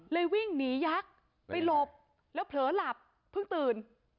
วิ่งหนียักษ์ไปหลบแล้วเผลอหลับเพิ่งตื่น